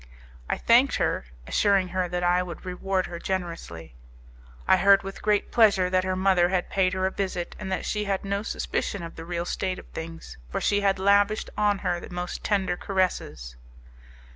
I thanked her, assuring her that I would reward her generously. I heard with great pleasure that her mother had paid her a visit, and that she had no suspicion of the real state of things, for she had lavished on her the most tender caresses.